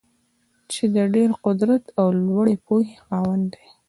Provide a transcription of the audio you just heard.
چې د ډېر قدر او لوړې پوهې خاوند دی.